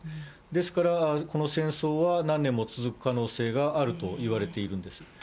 ですから、この戦争は、何年も続く可能性があるといわれているんです。